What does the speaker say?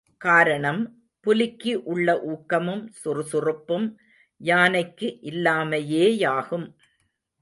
காரணம், புலிக்கு உள்ள ஊக்கமும் சுறுசுறுப்பும் யானைக்கு இல்லாமையேயாகும்.